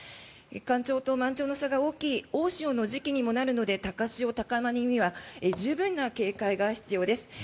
干潮と満潮の差が大きい大潮の時期にもなるので高潮、高波には十分な警戒が必要です。